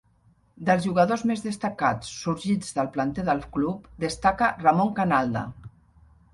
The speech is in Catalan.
Dels jugadors més destacats sorgits del planter del club destaca Ramon Canalda.